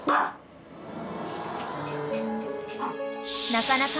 ［なかなか］